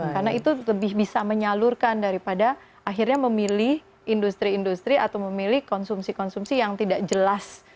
karena itu lebih bisa menyalurkan daripada akhirnya memilih industri industri atau memilih konsumsi konsumsi yang tidak jelas